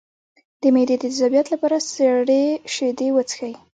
د معدې د تیزابیت لپاره سړې شیدې وڅښئ